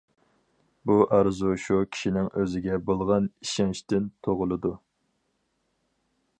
بۇ ئارزۇ شۇ كىشىنىڭ ئۆزىگە بولغان ئىشەنچتىن تۇغۇلىدۇ.